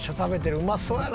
うまそうやな！